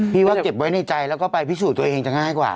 พี่ว่าเก็บไว้ในใจแล้วก็ไปพิสูจน์ตัวเองจะง่ายกว่า